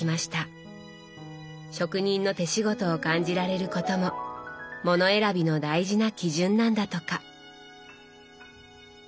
職人の手仕事を感じられることも物選びの大事な基準なんだとか。